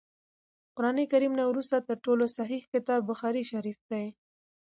د قران کريم نه وروسته تر ټولو صحيح کتاب بخاري شريف دی